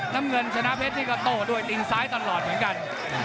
น้ำเงินชนะเพชรนี่ก็โต้ด้วยติงซ้ายตลอดเหมือนกัน